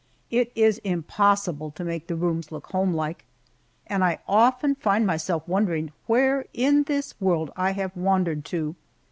It is impossible to make the rooms look homelike, and I often find myself wondering where in this world I have wandered to!